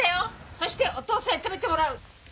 そしてお父さんに食べてもらう。